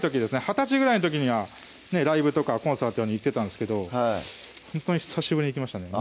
二十歳ぐらいの時にはライブとかコンサートに行ってたんですけどほんとに久しぶりに行きましたね